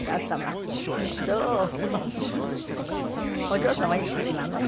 お嬢様いくつなの？